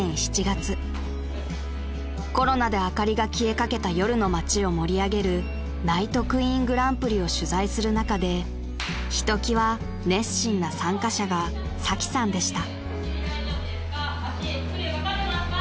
［コロナで灯りが消えかけた夜の街を盛り上げるＮＩＧＨＴＱＵＥＥＮグランプリを取材する中でひときわ熱心な参加者がサキさんでした］